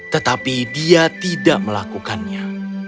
tetapi dia tidak melakukannya